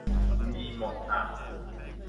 มีหมดอะ